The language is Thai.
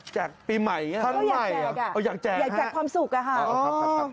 แจกปีใหม่ทันใหม่อยากแจกค่ะอยากแจกความสุขค่ะอ๋อครับครับครับ